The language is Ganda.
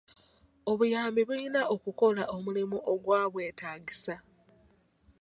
Obuyambi bulina okukola omulimu ogwabwetaagisa.